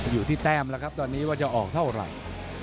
อยู่ที่แต้มแล้วครับตอนนี้ว่าจะออกเท่าไหร่